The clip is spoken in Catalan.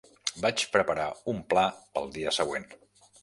Vaig preparar un pla pel dia següent.